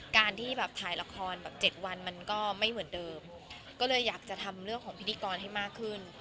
การที่แบบถ่ายละครแบบ๗วันมันก็ไม่เหมือนเดิมก็เลยอยากจะทำเรื่องของพิธีกรให้มากขึ้น